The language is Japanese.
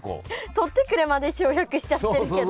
「取ってくれ」まで省略しちゃってるけど。